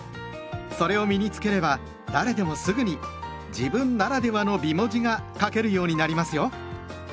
それを身に付ければ誰でもすぐに「自分ならではの美文字」が書けるようになりますよ。